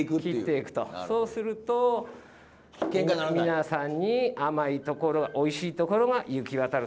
そうすると皆さんに甘いところおいしいところが行き渡ると。